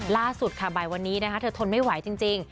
ล่าสุดค่ะบ่ายวันนี้นะคะเธอทนไม่ไหวจริง